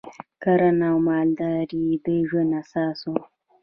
کرنه او مالداري د ژوند اساس و